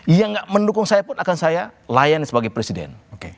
yang mendukung saya pun akan saya layani sebagai presiden